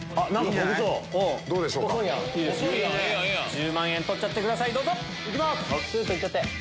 １０万円取っちゃってくださいどうぞ！